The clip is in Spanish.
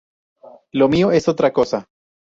Lo mío es otra cosa.